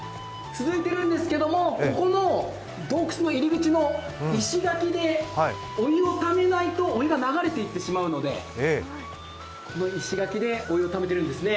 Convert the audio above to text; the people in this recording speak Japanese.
続いているんですけれども、ここの洞窟の入り口の石垣でお湯をためないとお湯が流れていってしまうので、この石垣でお湯をためてるんですね。